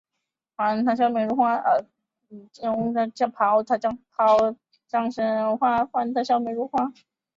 威尔逊生于一个移民到加拿大安大略省渥太华的苏格兰家庭。